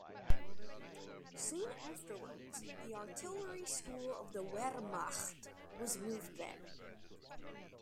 Soon afterwards the Artillery School of the Wehrmacht was moved there.